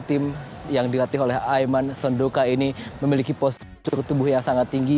tim yang dilatih oleh aiman sondoka ini memiliki postur tubuh yang sangat tinggi